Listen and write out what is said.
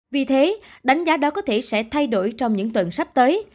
vì thế đánh giá đó có thể sẽ thay đổi trong những tuần sắp tới